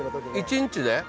１日で？